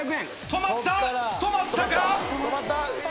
止まったか？